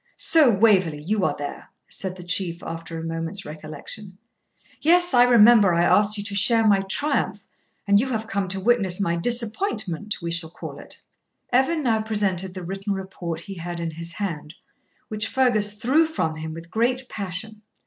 'So, Waverley, you are there,' said the Chief, after a moment's recollection. 'Yes, I remember I asked you to share my triumph, and you have come to witness my disappointment we shall call it.' Evan now presented the written report he had in his hand, which Fergus threw from him with great passion.